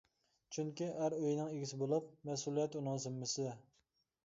چۈنكى ئەر ئۆينىڭ ئىگىسى بولۇپ، مەسئۇلىيەت ئۇنىڭ زىممىسىدە.